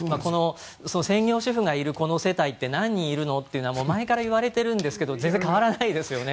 専業主婦がいるこの世帯って何人いるのっていうのは前から言われているんですけど全然変わらないんですね。